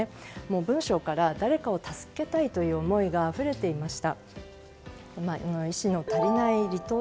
文章から誰かを助けたいという思いがあふれていました。